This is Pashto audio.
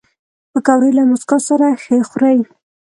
پکورې له موسکا سره ښه خوري